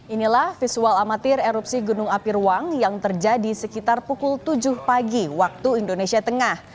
inilah visual amatir erupsi gunung api ruang yang terjadi sekitar pukul tujuh pagi waktu indonesia tengah